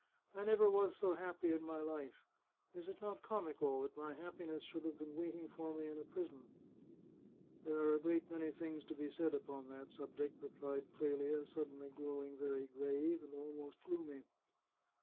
I never was so happy in my life. Is it not comical that my happiness should have been wait ing for me in a prison ?" "There are a great many things to be said upon that subject," replied Clelia, suddenly growing very grave, and almost gloomy.